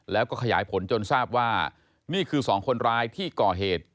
แล้วก็ขยายผลจนทราบว่านี่คือสองคนร้ายที่ก่อเหตุ